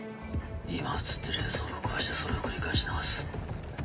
今写ってる映像を録画してそれを繰り返し流す。